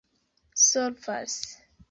solvas